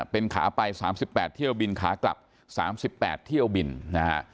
เป็นขาไป๓๘เที่ยวบินขากลับ๓๘เที่ยวบินนะฮะ